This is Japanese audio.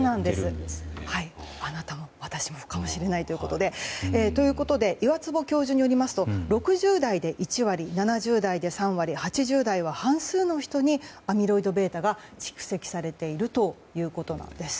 あなたも私もかもしれないということで。ということで岩坪教授によりますと６０代で１割、７０代で３割８０代は半数の人にアミロイドβが蓄積されているということです。